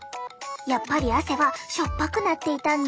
やっぱり汗は塩っぱくなっていたんだ。